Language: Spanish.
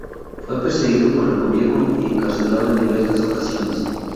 Fue perseguido por el gobierno y encarcelado en diversas ocasiones.